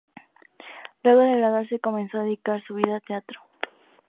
Luego de graduarse, comenzó a dedicar su vida a teatro.